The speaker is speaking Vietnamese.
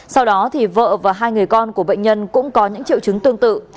sau đó thì vợ và hai người con của bệnh nhân cũng có những triệu chứng tương tự